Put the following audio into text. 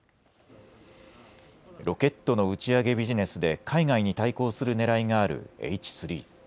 ロケットの打ち上げビジネスで海外に対抗するねらいがあるＨ３。